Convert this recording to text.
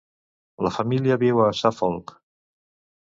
La família viu a Suffolk.